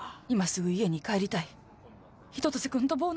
今すぐ家に帰りたい春夏秋冬